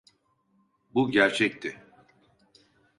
Bu gerçekti.